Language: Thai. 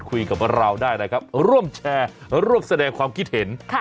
คันล้อกันแบบนี้คุณชนะ